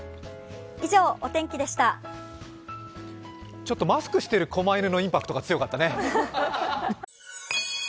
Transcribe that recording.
ちょっとマスクしているこま犬のインパクトが強かったね。